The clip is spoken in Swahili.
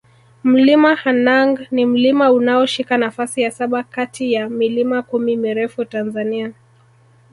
Mlima Hanang ni mlima unaoshika nafasi ya saba kati ya milima kumi mirefu Tanzania